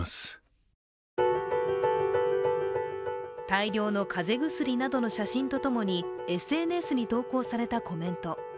大量のかぜ薬などの写真と共にＳＮＳに投稿されたコメント。